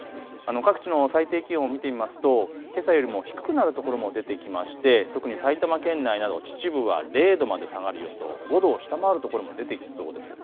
各地の最低気温を見てみますとけさよりも低くなる所も出てきまして特に埼玉県内など秩父は０度まで下がる予想、５度を下回る所も出てきそうです。